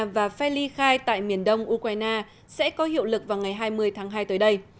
và felli khai tại miền đông ukraine sẽ có hiệu lực vào ngày hai mươi tháng hai tới đây